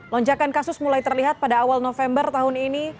lonjakan kasus mulai terlihat pada awal november tahun ini